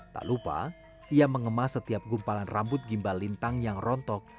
tak lupa ia mengemas setiap gumpalan rambut gimbal lintang yang rontok